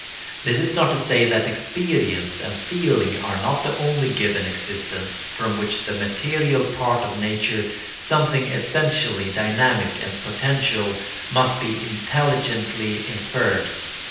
This is not to say that experience and feeling are not the only given existence, from which the material part of nature, something essentially dynamic and potential, must be intelligently inferred.